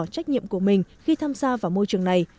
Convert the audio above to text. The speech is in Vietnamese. trách nhiệm của mình khi tham gia vào môi trường này